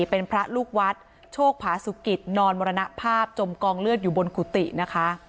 เป็นพระลูกวัดโชคผาสุกิตนอนมรณภาพจมกองเลือดอยู่บนกุฏินะคะ